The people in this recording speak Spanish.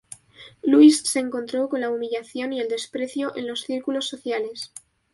Louise se encontró con la humillación y el desprecio en los círculos sociales.